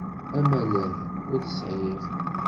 Amaleh ur t-sεiɣ.